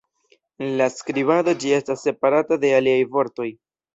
En la skribado ĝi estas separata de aliaj vortoj".